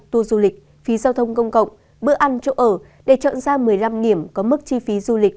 tour du lịch phí giao thông công cộng bữa ăn chỗ ở để chọn ra một mươi năm điểm có mức chi phí du lịch